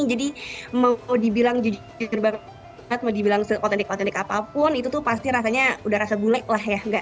jadi mau dibilang jujur banget mau dibilang authentic authentic apapun itu tuh pasti rasanya udah rasa gulai lah ya